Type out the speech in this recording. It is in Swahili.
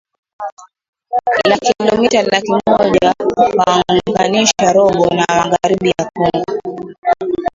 la kilometa laki moja ukaunganisha robo ya magharibi ya Kongo